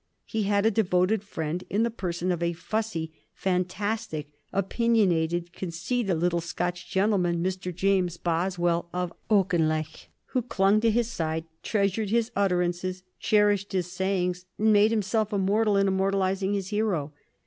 He had a devoted friend in the person of a fussy, fantastic, opinionated, conceited little Scotch gentleman, Mr. James Boswell of Auchinleck, who clung to his side, treasured his utterances, cherished his sayings, and made himself immortal in immortalizing his hero.